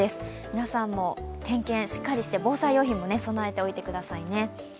皆さんも点検、しっかりして防災用品も備えておいてくださいね。